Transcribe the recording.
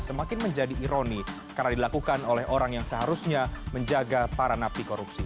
semakin menjadi ironi karena dilakukan oleh orang yang seharusnya menjaga para napi korupsi